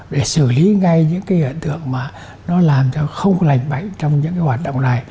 để xử lý ngay những hiện tượng mà nó làm cho không lành bệnh trong những hoạt động này